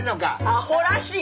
アホらしい。